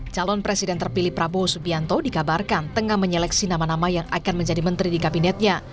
calon presiden terpilih prabowo subianto dikabarkan tengah menyeleksi nama nama yang akan menjadi menteri di kabinetnya